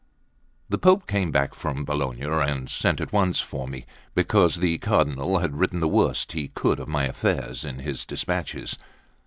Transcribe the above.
LVIII THE POPE came back from Bologna, and sent at once for me, because the Cardinal had written the worst he could of my affairs in his despatches.